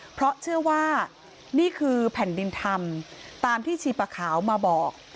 เพราะเชื่อว่านี่คือแผ่นดินธรรมตามที่ชีปะขาวมาบอก